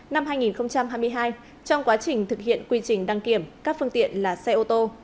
năm hai nghìn hai mươi hai trong quá trình thực hiện quy trình đăng kiểm các phương tiện là xe ô tô